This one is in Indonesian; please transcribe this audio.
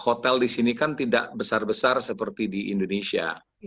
hotel di sini kan tidak besar besar seperti di indonesia